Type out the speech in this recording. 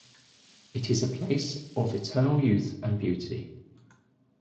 It is a place of eternal youth and beauty.